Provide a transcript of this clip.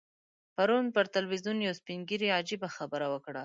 پرون پر ټلویزیون یو سپین ږیري عجیبه خبره وکړه.